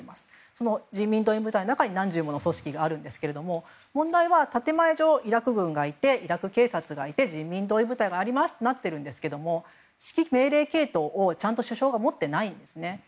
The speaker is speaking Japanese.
人民動員部隊の中に何十もの組織があるんですが問題は、建前上イラク軍がいてイラク警察がいて人民動員部隊がありますとなっていますが指揮命令系統を首相が持っていないんです。